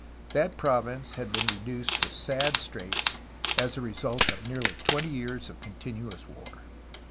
That province had been reduced to sad straits as a result of nearly twenty years of continuous war.